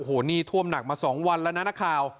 โอ้นี่เถ้าผัวมาสองวันและคราว